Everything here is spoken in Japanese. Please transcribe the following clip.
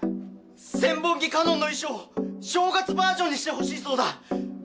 千本木かのんの衣装を正月バージョンにしてほしいそうだ。